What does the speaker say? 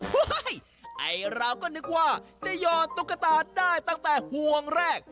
ไอเราก็นึกว่าจะหยอดตุ๊กตาได้ตั้งแต่ห่วงแรก